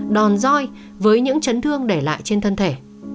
đòn roi với những chấn thương để lại trên thân thể